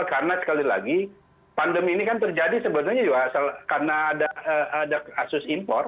karena sekali lagi pandemi ini kan terjadi sebenarnya karena ada kasus impor